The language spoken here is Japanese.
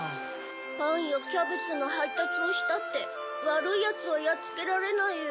パンやキャベツのはいたつをしたってわるいヤツはやっつけられないよ。